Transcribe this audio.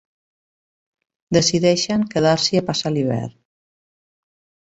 Decideixen quedar-s'hi a passar l'hivern.